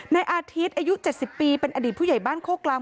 ในอาทิตย์อายุ๗๐ปีเป็นอดีตผู้ใหญ่บ้านโคกลาง